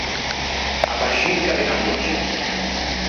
A baxilica de Camoggi.